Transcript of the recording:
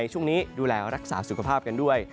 ช่วงนี้ดูแลรักษาสุขภาพกันด้วย